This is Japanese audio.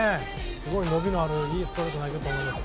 すごい伸びのあるいいストレートを投げると思います。